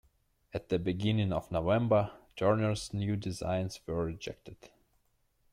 At the beginning of November, Turner's new designs were rejected.